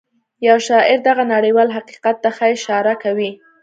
يو شاعر دغه نړيوال حقيقت ته ښه اشاره کوي.